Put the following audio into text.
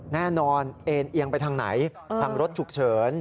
แน่นอนเอ็นเอียงไปทางไหนทางรถฉุกเฉิน